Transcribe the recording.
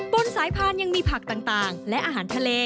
บนสายพานยังมีผักต่างและอาหารทะเล